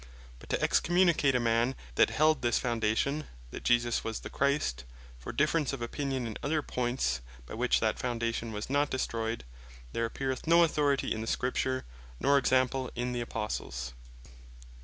But to Excommunicate a man that held this foundation, that Jesus Was The Christ, for difference of opinion in other points, by which that Foundation was not destroyed, there appeareth no authority in the Scripture, nor example in the Apostles.